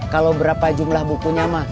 kalau berapa jumlah bukunya